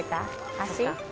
足？